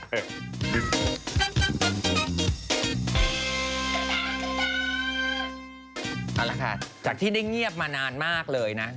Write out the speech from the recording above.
เอาละค่ะจากที่ได้เงียบมานานมากเลยนะ